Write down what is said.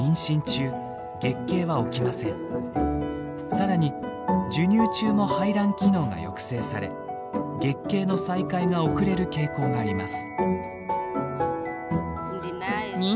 更に授乳中も排卵機能が抑制され月経の再開が遅れる傾向があります。